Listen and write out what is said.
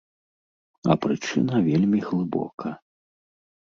А прычына вельмі глыбока.